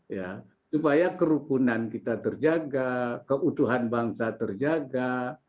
itu bahaya kerukunan kita terjaga keutuhan bangsa terjaga